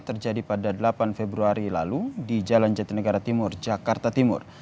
terjadi pada delapan februari lalu di jalan jatinegara timur jakarta timur